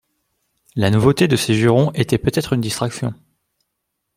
La nouveauté de ces jurons était peut-être une distraction.